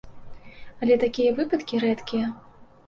Але такія выпадкі рэдкія.